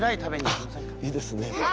あっいいですね。